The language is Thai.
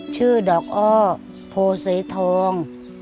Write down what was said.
ชื่อดอกอ้อโพเสทอง